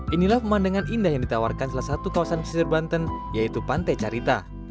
inilah pemandangan indah yang ditawarkan salah satu kawasan pesisir banten yaitu pantai carita